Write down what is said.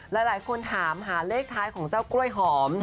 หลายคนถามหาเลขท้ายของเจ้ากล้วยหอม